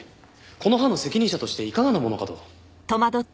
この班の責任者としていかがなものかと。